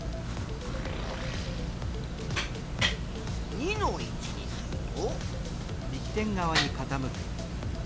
２の位置にすると。